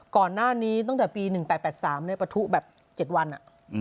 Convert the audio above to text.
ก่อนหน้านี้ตั้งแต่ปี๑๘๘๓เนี่ยปะทุแบบ๗วันอ่ะ